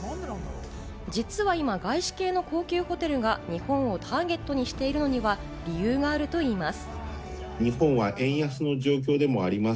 実は今、外資系の高級ホテルが日本をターゲットにしているのには理由があるといいます。